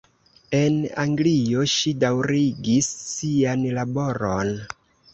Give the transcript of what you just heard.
En Anglio ŝi daŭrigis sian laboron.